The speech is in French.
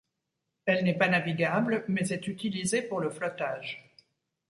Elle n'est pas navigable, mais est utilisée pour le flottage.